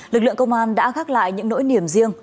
lực lượng công an đã gác lại những nỗi niềm riêng